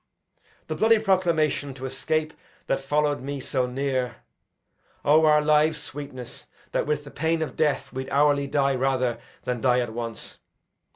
The bloody proclamation to escape That follow'd me so near (O, our lives' sweetness! That with the pain of death would hourly die Rather than die at once!)